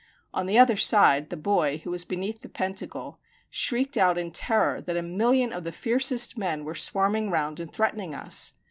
On the other side, the boy, who was beneath the pentacle, shrieked out in terror that a million of the fiercest men were swarming round and threatening us.